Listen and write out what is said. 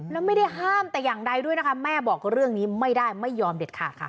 แล้วไม่ได้ห้ามแต่อย่างใดด้วยนะคะแม่บอกเรื่องนี้ไม่ได้ไม่ยอมเด็ดขาดค่ะ